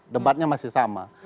debatnya masih sama